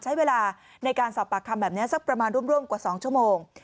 ใช้เวลาในการสอบปากคำแบบนี้สักประมาณร่วมกว่า๒ชั่วโมง